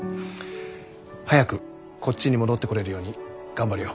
早くこっちに戻ってこれるように頑張るよ。